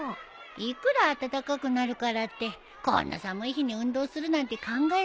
いくら暖かくなるからってこんな寒い日に運動するなんて考えられないよ。